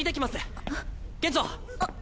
あっ。